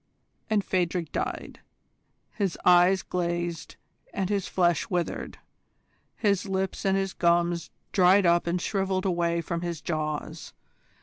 And Phadrig died. His eyes glazed and his flesh withered; his lips and his gums dried up and shrivelled away from his jaws.